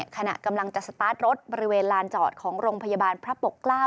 ขณะกำลังจะสตาร์ทรถบริเวณลานจอดของโรงพยาบาลพระปกเกล้า